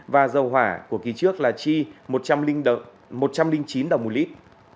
và dầu hỏa của kỳ trước là chi một trăm linh chín đồng một lít